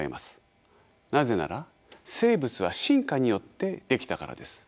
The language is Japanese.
なぜなら生物は進化によって出来たからです。